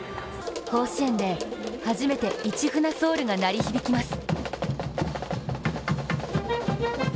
甲子園で初めて「市船ｓｏｕｌ」が鳴り響きます。